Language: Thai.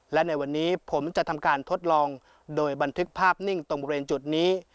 และในวันนี้ผมจะทำการทดลองโดยบันทึกภาพนิ่งตรงบริเวณจุดนี้